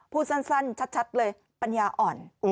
พูดสั้นชัดเลยปัญญาอ่อน